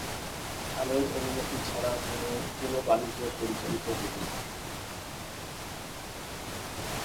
খানের অনুমতি ছাড়া কোনও বাণিজ্য পরিচালিত হত না।